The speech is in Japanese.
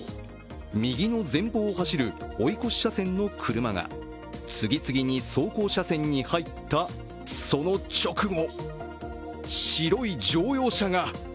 右の前方を走る追い越し車線の車が次々に走行車線に入ったその直後、白い乗用車が。